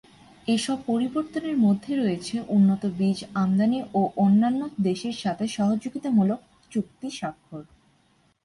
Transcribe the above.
এসব পরিবর্তনের মধ্যে রয়েছে উন্নত বীজ আমদানি ও অন্যান্য দেশের সাথে সহযোগিতামূলক চুক্তি স্বাক্ষর।